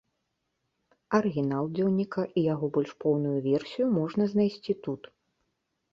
Арыгінал дзённіка і яго больш поўную версію можна знайсці тут.